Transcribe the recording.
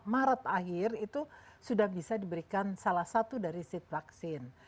maret akhir itu sudah bisa diberikan salah satu dari seat vaksin